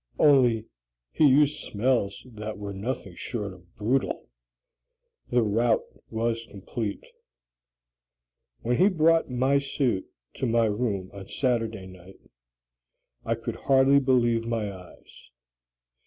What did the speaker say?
Only, he used smells that were nothing short of brutal. The rout was complete. When he brought the suit to my room on Saturday night, I could hardly believe my eyes.